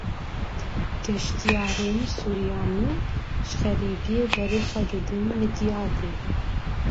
Geştyarên Suryanî ji xeribiyê berê xwe didin Midyadê.